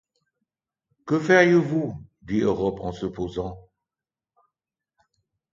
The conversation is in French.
Que feriez-vous ? dit Europe en se posant.